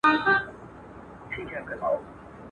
په خپل لاس مي دا تقدیر جوړ کړ ته نه وې.